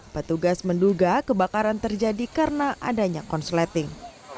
petugas menduga kebakaran terjadi karena adanya konsleting